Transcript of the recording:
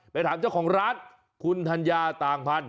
ไปถามเจ้าของร้านคุณธัญญาต่างพันธ